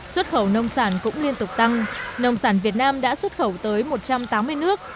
xuất khẩu nông sản cũng liên tục tăng nông sản việt nam đã xuất khẩu tới một trăm tám mươi nước